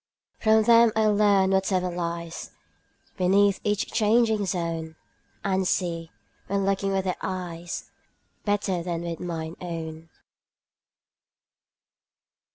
From them I learn whatever lies Beneath each changing zone, And see, when looking with their eyes, 35 Better than with mine own.